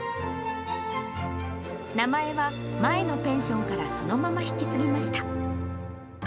名前は前のペンションからそのまま引き継ぎました。